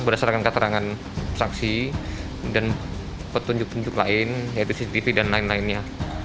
berdasarkan keterangan saksi dan petunjuk petunjuk lain yaitu cctv dan lain lainnya